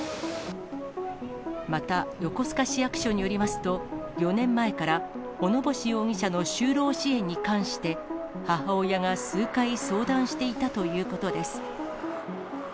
また横須賀市役所によりますと、４年前から小野星容疑者の就労支援に関して、母親が数回、相談していたということです。